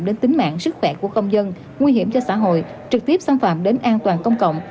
đến tính mạng sức khỏe của công dân nguy hiểm cho xã hội trực tiếp xâm phạm đến an toàn công cộng